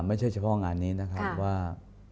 ไม่ใช่เฉพาะงานนี้นะครับว่า